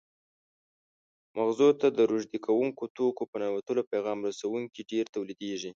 مغزو ته د روږدي کوونکو توکو په ننوتلو پیغام رسوونکي ډېر تولیدېږي.